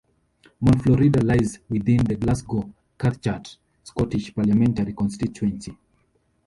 Mount Florida lies within the Glasgow Cathcart Scottish Parliamentary constituency.